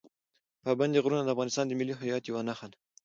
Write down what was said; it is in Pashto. پابندي غرونه د افغانستان د ملي هویت یوه نښه ده.